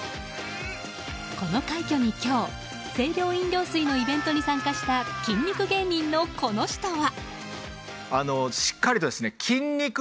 この快挙に今日清涼飲料水のイベントに参加した筋肉芸人のこの人は。